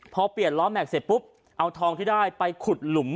พอเปลี่ยนล้อแม็กซเสร็จปุ๊บเอาทองที่ได้ไปขุดหลุม